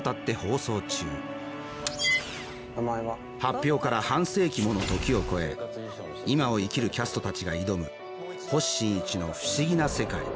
発表から半世紀もの時を超え今を生きるキャストたちが挑む星新一の不思議な世界。